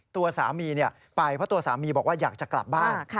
ตัวสามีไปเพราะตัวสามีบอกว่าอยากจะกลับบ้าน